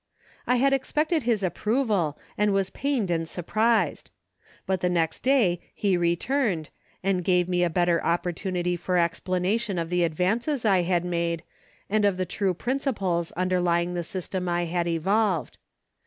I had expected his approval and was pained and surprised. But the next day he re turned and gave me a better opportunity for explanation of the advances I had made and of the true principles underlying the system I had evolved.